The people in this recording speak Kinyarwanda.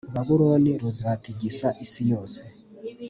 babuloni ruzatigisa isi yose